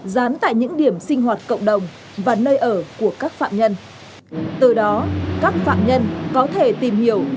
dán tại những điểm sinh hoạt cộng đồng và nơi ở của các phạm nhân từ đó các phạm nhân có thể tìm hiểu